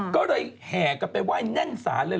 เราก็แห่ไปว่ายแน่นสารเลย